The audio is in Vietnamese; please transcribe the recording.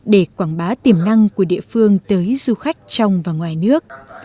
để quảng bá tiềm năng của địa phương tới du khách trong và ngoài nước